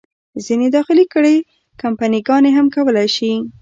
ځینې داخلي کړۍ، کمپني ګانې هم کولای شي.